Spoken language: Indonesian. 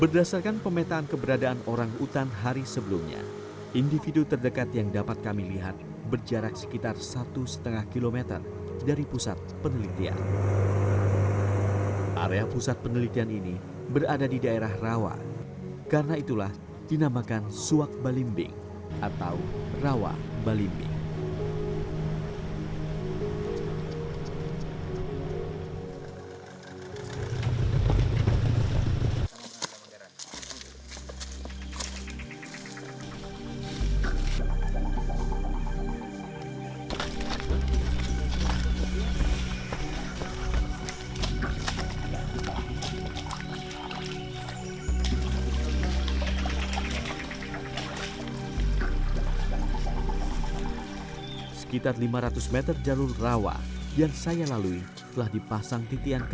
d paling kecil kelompok kata jung gteran hujung hutan